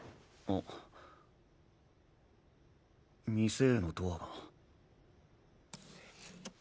店へのドアが。